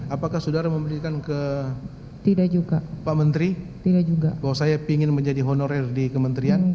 apakah saudara memberikan ke pak menteri bahwa saya ingin menjadi honorer di kementerian